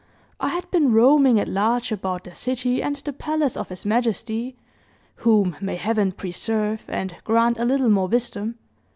"I had been roaming at large about the city and the palace of his majesty whom may Heaven preserve, and grant a little more wisdom!